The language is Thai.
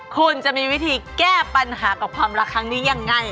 คุณจะมีวิธีแก้ปัญหากับความรักครั้งนี้ยังไง